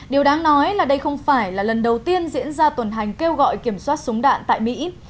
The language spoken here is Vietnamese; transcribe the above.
điều đáng nói là đây không phải là lần đầu tiên diễn ra tuần hành kêu gọi kiểm soát súng đạn tại mỹ